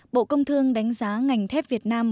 bộ công thương đánh giá ngành thép việt nam